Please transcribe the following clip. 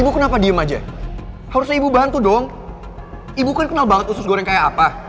ibu kenapa diem aja harusnya ibu bantu dong ibu kan kenal banget usus goreng kayak apa